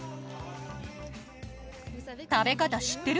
食べ方知ってる？